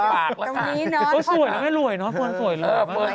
สวยแล้วนะวุ่ยนะฟื้อนสวยเลยนะฟื้อนสวยสวย